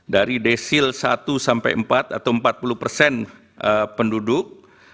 dari desil satu sampai empat atau empat puluh persen penduduk